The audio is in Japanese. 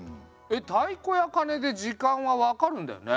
太鼓や鐘で時間は分かるんだよね。